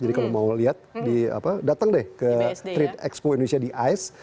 jadi kalau mau lihat datang deh ke trade expo indonesia di ais